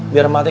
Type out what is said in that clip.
biar emak tuh